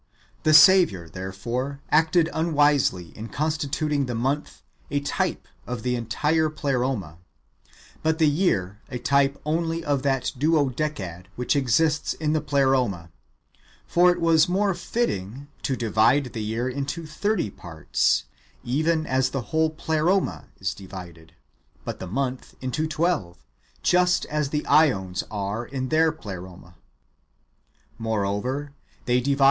The Saviour therefore acted unwisely in constituting the month a type of the entire Pleroma, but the year a type only of that Duodecad which exists in the Pleroma ; for it was more fitting to divide the year into thirty parts, even as the whole Pleroma is divided, but the month into twelve, just as the ^ons are in their Pleroma.